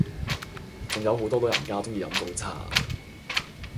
仲有好多老人家鐘意飲早茶